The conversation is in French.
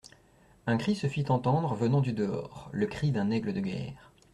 Un cri se fit entendre, venant du dehors : le cri d'un aigle de guerre.